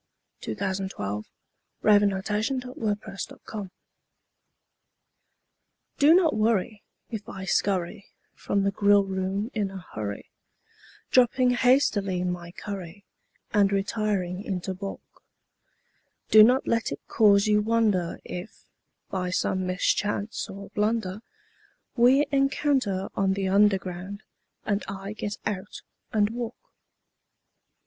CUPID'S DARTS (Which are a growing menace to the public) Do not worry if I scurry from the grill room in a hurry, Dropping hastily my curry and re tiring into balk ; Do not let it cause you wonder if, by some mischance or blunder, We encounter on the Underground and I get out and walk.